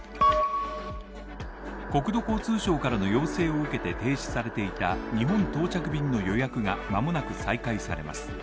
国土交通省からの要請を受けて停止されていた日本到着便の予約がまもなく再開されます。